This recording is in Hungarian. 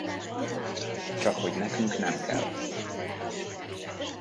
Csakhogy nekünk nem kell.